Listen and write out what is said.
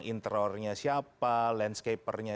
mentornya siapa landscapernya